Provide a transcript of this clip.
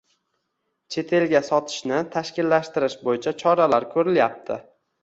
chet elga sotishni tashkillashtirish bo‘yicha choralar ko‘rilyapti.